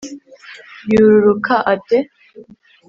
Yururuka ate ?